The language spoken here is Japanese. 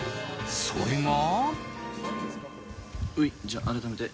それが。